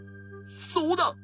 そうだ！